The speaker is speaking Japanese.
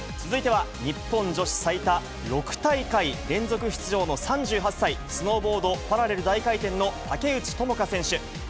続いては、日本女子最多、６大会連続出場の３８歳、スノーボードパラレル大回転の竹内智香選手。